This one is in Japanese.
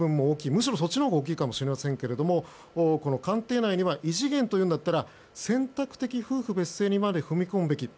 むしろ、そちらのほうが大きいかもしれませんが官邸内には、異次元というなら選択的夫婦別姓にまで踏み込むべき。